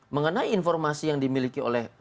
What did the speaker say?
mengenai informasi yang dimiliki oleh